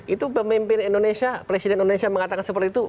itu pemimpin indonesia presiden indonesia mengatakan seperti itu